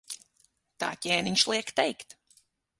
Tā ķēniņš liek teikt.